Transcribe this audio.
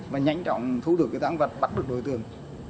và nhanh chóng thu được tăng vật bắt được đối tượng